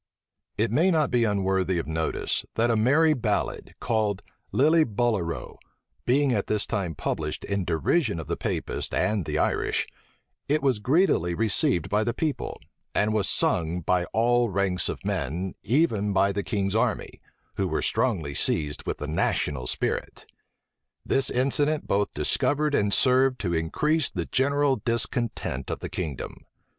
It may not be unworthy of notice that a merry ballad, called Lillibullero, being at this time published in derision of the Papists and the Irish, it was greedily received by the people, and was sung by all ranks of men, even by the king's army, who were strongly seized with the national spirit. This incident both discovered and served to increase the general discontent of the kingdom.